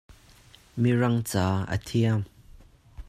Mirangca a thiam.